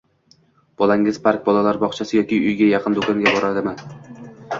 Bolangiz park, bolalar bog‘chasi yoki uyga yaqin do‘konga boradimi